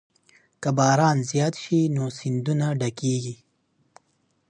که باران زیات شي نو سیندونه ډکېږي.